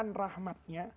untuk mendapatkan rahmatnya